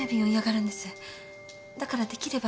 だからできれば。